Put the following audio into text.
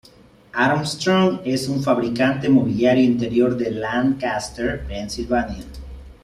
Armstrong es un fabricante mobiliario interior de Lancaster, Pensilvania.